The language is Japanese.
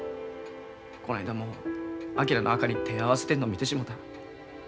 こないだも昭の墓に手ぇ合わせてるの見てしもた。